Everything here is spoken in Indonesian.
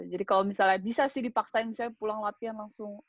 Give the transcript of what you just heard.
jadi kalau misalnya bisa sih dipaksain pulang latihan langsung